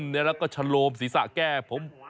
แล้วก็ชะโลมศีรษะแก้ผม